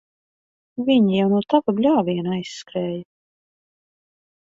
Viņi jau no tava bļāviena aizskrēja.